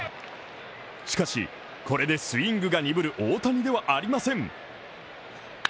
しかし、これでスイングが鈍る大谷ではありません。